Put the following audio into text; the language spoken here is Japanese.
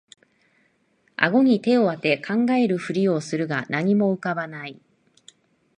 あごに手をあて考えるふりをするが何も浮かばない